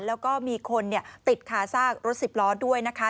แล้วก็มีคนติดคาซากรถสิบล้อด้วยนะคะ